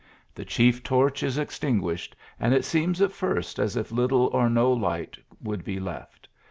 The chief torch is extinguished, and it seems at first as if little or no light would be left.